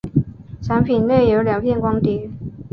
产品内有两片光碟。